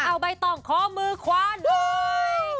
เอาใบตองขอมือขวาด้วย